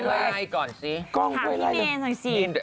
ข้าวเท่าง่ายก้องเข้วยไรอย่างนั้น